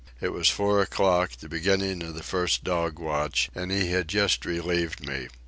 It was four o'clock, the beginning of the first dog watch, and he had just relieved me.